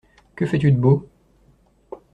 Que fais-tu de beau?